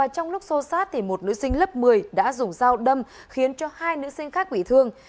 trong lúc xô xát một nữ sinh lớp một mươi đã dùng dao đâm khiến cho hai nữ sinh khác bị thương